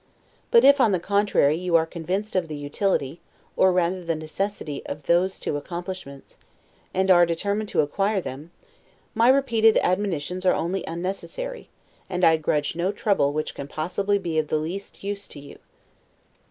But if, on the contrary, you are convinced of the utility, or rather the necessity of those two accomplishments, and are determined to acquire them, my repeated admonitions are only unnecessary; and I grudge no trouble which can possibly be of the least use to you.